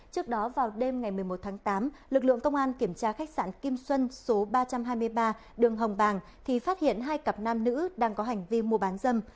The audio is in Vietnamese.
trước đó vào đêm ngày một mươi một tháng tám lực lượng công an kiểm tra khách sạn kim xuân số ba trăm hai mươi ba đường hồng bàng thì phát hiện hai cặp nam nữ đang có hành vi mua bán dâm